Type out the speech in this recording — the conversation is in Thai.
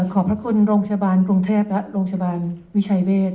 ขอบพระคุณโรงชาบานกรุงเทพและโรงชาบานวิชาเวศ